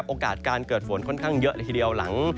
โอกาสการเกิดฝนค่อนข้างเยอะเลยทีเดียวหลัง